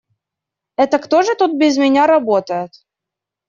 Это кто же тут без меня работает?